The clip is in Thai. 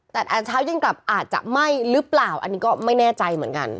แต่เช้ายิ่งกลับอาจจะไหม้หรือเปล่าอันนี้ก็ไม่แน่ใจเหมือนกัน